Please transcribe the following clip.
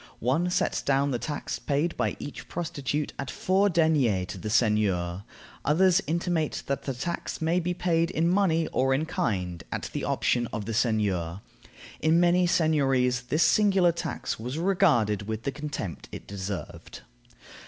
One sets down the tax paid by each prostitute at four deniers to the seigneur. Others intimate that the tax may be paid in money or in kind, at the option of the seigneur. In many seigniories this singular tax was regarded with the contempt it deserved.